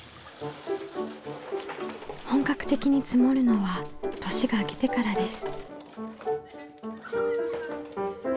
本格的に積もるのは年が明けてからです。